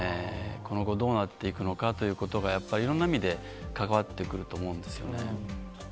今後どうなっていくのかということが、やっぱり、いろんな意味で関わってくると思うんですよね。